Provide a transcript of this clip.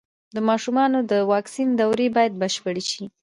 د ماشومانو د واکسین دورې بايد بشپړې شي.